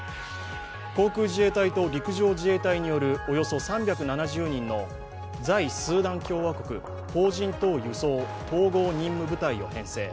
航空自衛隊と陸上自衛隊によるおよそ３７０人の在スーダン共和国邦人等輸送統合任務部隊を編成。